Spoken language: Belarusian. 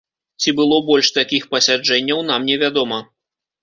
Ці было больш такіх пасяджэнняў, нам не вядома.